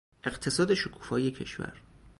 اقتصاد شکوفای کشور